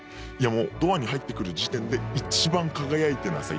「ドアに入ってくる時点で一番輝いてなさい。